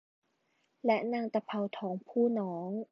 และนางตะเภาทองผู้น้อง